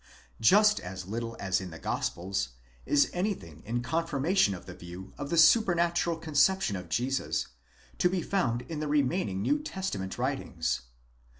Just as little as in the Gospels, is anything in confirmation of the view of the supernatural conception of Jesus, to be found in the remaining New Testament writings.